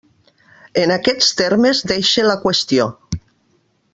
En aquests termes deixe la qüestió.